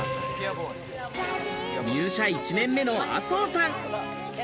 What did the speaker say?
入社１年目の麻生さん。